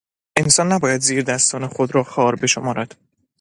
انسان نباید زیردستان خود را خوار بشمارد.